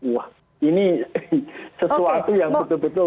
wah ini sesuatu yang betul betul diluar nalar nggak masuk akal